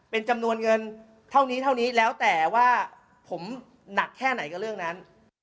เป็นจำนวนเงินเท่านี้เท่านี้แล้วแต่ว่าผมหนักแค่ไหนกับเรื่องนั้น